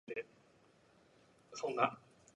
The majority of their business is food related.